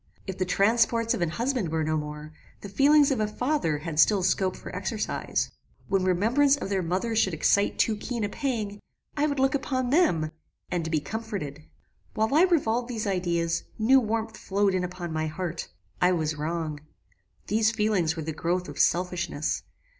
If the transports of an husband were no more, the feelings of a father had still scope for exercise. When remembrance of their mother should excite too keen a pang, I would look upon them, and BE COMFORTED. "While I revolved these ideas, new warmth flowed in upon my heart I was wrong. These feelings were the growth of selfishness.